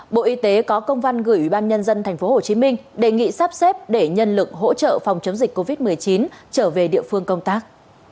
bộ y tế có công văn gửi ủy ban nhân dân tp hcm đề nghị sắp xếp để nhân lực hỗ trợ phòng chống dịch covid một mươi chín trở về địa phương công tác